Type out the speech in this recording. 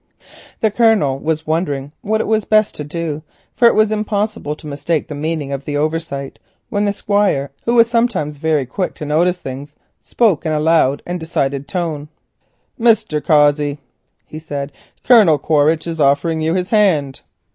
The Colonel was wondering what it was best to do, for he could not mistake the meaning of the oversight, when the Squire, who was sometimes very quick to notice things, spoke in a loud and decided tone. "Mr. Cossey," he said, "Colonel Quaritch is offering you his hand."